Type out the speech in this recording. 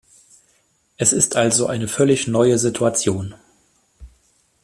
Es ist also eine völlig neue Situation.